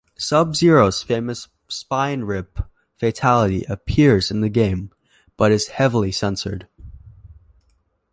Sub-Zero's famous "spine-rip" Fatality appears in the game but is heavily censored.